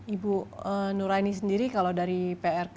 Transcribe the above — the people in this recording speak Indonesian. ibu nur aini sendiri kalau dari prk